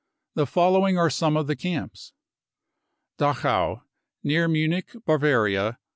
The following are some of the camps : Dachau, near Munich, Bavaria